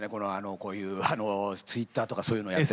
こういうツイッターとかそういうの。